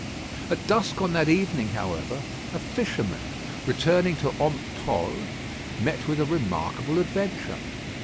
At dusk on that evening, however, a fisherman returning to Omptolle, met with a remarkable adventure.